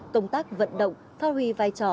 công tác vận động phát huy vai trò